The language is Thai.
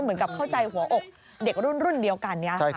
เหมือนกับเข้าใจหัวอกเด็กรุ่นเดียวกัน